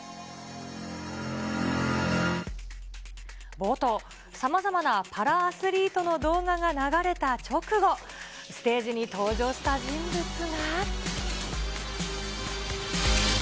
冒頭、さまざまなパラアスリートの動画が流れた直後、ステージに登場した人物が。